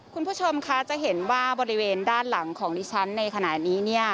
คุณผู้ชมคะจะเห็นว่าบริเวณด้านหลังของดิฉันในขณะนี้เนี่ย